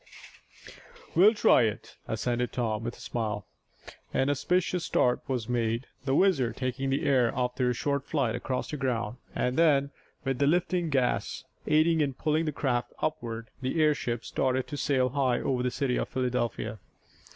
"We'll try it," assented Tom, with a smile. An auspicious start was made, the WHIZZER taking the air after a short flight across the ground, and then, with the lifting gas aiding in pulling the craft upward, the airship started to sail high over the city of Philadelphia.